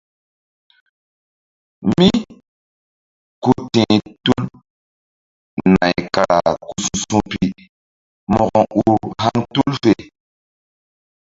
Mí ku ti̧h tul nay kara ku su̧su̧pi mo̧ko ur haŋ tul fe.